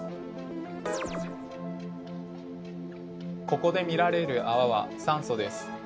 ここで見られるあわは酸素です。